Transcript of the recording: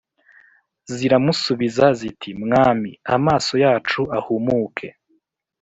Ziramusubiza ziti “Mwami, amaso yacu ahumuke.”